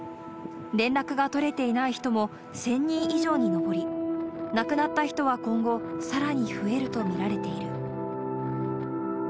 連絡が取れていない人も１０００人以上に上り、亡くなった人は今後さらに増えると見られている。